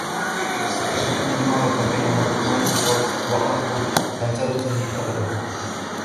يبدو ان المعركه بين مايكرسوفت و ابل لن تنتهي ابد